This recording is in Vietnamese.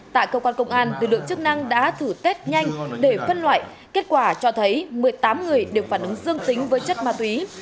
tại cơ quan công an lực lượng chức năng đã thử test nhanh để phân loại kết quả cho thấy một mươi tám người đều phản ứng dương tính với chất ma túy